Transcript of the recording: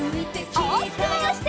おおきくまわして。